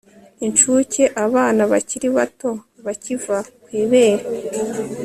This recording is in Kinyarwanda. inshuke abana bakiri bato bakiva ku ibere